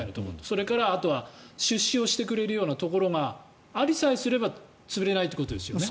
それからあとは出資をしてくれるところがありさえすれば潰れないということですよね。